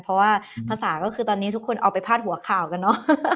เพราะว่าภาษาก็คือตอนนี้ทุกคนเอาไปพาดหัวข่าวกันเนอะ